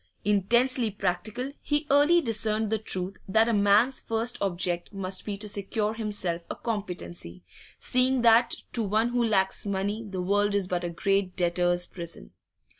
Intensely practical, he early discerned the truth that a man's first object must be to secure himself a competency, seeing that to one who lacks money the world is but a great debtors' prison.